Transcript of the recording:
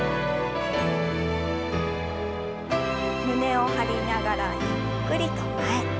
胸を張りながらゆっくりと前。